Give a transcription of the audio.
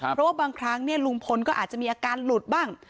เพราะบางครั้งเนี่ยลุงพลก็จะมีอาการหลุดบ้าง